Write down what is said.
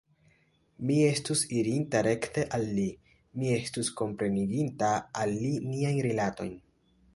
Mi estus irinta rekte al li; mi estus kompreniginta al li niajn rilatojn.